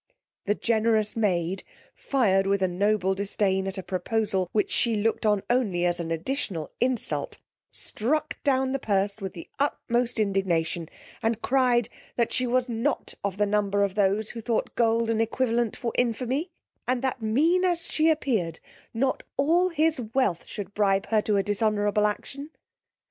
The generous maid fired with a noble disdain at a proposal, which she looked on only as an additional insult, struck down the purse with the utmost indignation and cried, she was not of the number of those who thought gold an equivalent for infamy; and that mean as she appeared, not all his wealth should bribe her to a dishonourable action.